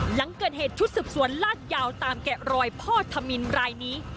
หลังเกิดเหตุชุดสืบสวนลากยาวตามแกะรอยพ่อธมินรายนี้